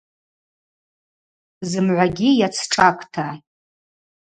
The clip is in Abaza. Зымгӏвагьи йацшӏакӏта.